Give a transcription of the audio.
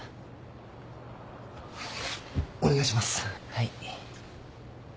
はい。